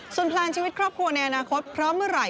แพลนชีวิตครอบครัวในอนาคตพร้อมเมื่อไหร่